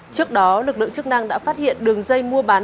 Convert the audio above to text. trước đó lực lượng chức năng đã phát hiện đường dây mua bán